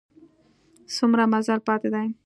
څومره مزل پاته دی؟